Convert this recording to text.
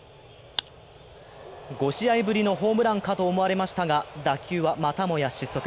５試合ぶりのホームランかと思われましたが、打球はまたもや失速。